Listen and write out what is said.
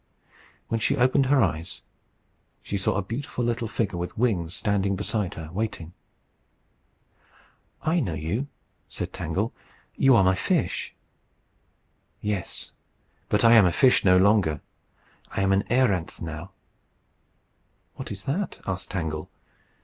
When she opened her eyes, she saw a beautiful little figure with wings standing beside her, waiting. "I know you," said Tangle. "You are my fish." "Yes. But I am a fish no longer. I am an a�ranth now." "What is that?" asked Tangle.